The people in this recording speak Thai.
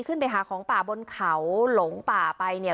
ขึ้นไปหาของป่าบนเขาหลงป่าไปเนี่ย